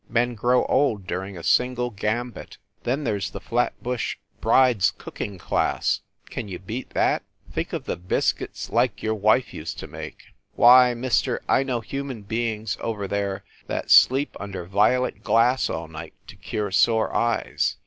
Men grow old during a single gambit. Then there s the "Flatbush Brides Cooking Class." Can you beat that? Think of the biscuits like your wife used to make! Why, mister, I know human beings, over there, that sleep under violet glass all night to cure sore eyes.